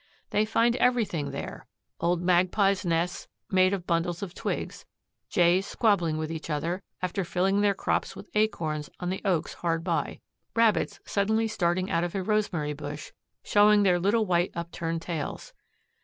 They find everything there: old Magpies' nests, made of bundles of twigs; Jays squabbling with each other, after filling their crops with acorns on the oaks hard by; Rabbits suddenly starting out of a rosemary bush, showing their little white upturned tails.